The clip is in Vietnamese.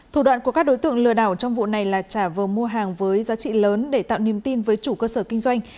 thủ đoạn của các đối tượng lừa đảo trong vụ này là trả vờ mua hàng với giá trị lớn để tạo niềm tin với chủ cơ sở kinh doanh